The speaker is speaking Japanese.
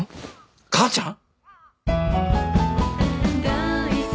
母ちゃん？